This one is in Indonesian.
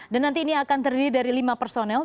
dan nanti ini akan terdiri dari lima personel